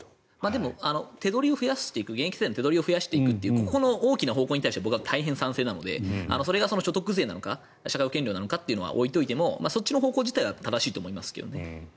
でも現役世代の手取りを増やしていくというここの大きな方向に対して僕は大変賛成なのでそれが所得税なのか社会保険料なのかというのは置いておいてもそっちの方向自体は正しいと思いますけどね。